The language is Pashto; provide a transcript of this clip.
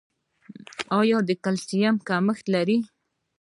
ایا د کلسیم کمښت لرئ؟